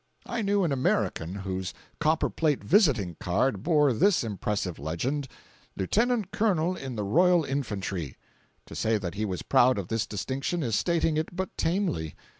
I knew an American whose copper plate visiting card bore this impressive legend: "Lieutenant Colonel in the Royal Infantry." To say that he was proud of this distinction is stating it but tamely.